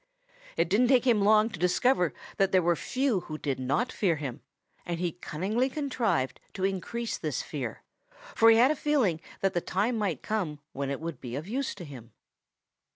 It didn't take him long to discover that there were few who did not fear him, and he cunningly contrived to increase this fear, for he had a feeling that the time might come when it would be of use to him.